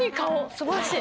すばらしい！